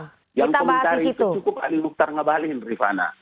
yang komentari itu cukup alilukter ngebalik rifana